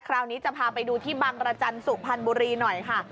คราวนี้จะพาไปดูที่บังรจันทร์สุพรรณบุรีหน่อยค่ะ